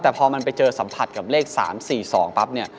แต่พอมันไปเจอสัมผัสกับเลข๓๔๒ปั๊บเนี่ย